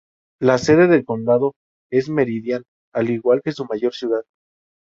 La sede del condado es Meridian, al igual que su mayor ciudad.